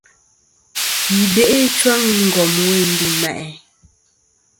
Yi be'i ɨchwaŋ i ngom weyn ndu mà'i.